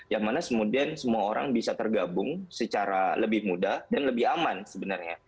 yang mana kemudian semua orang bisa tergabung secara lebih mudah dan lebih aman sebenarnya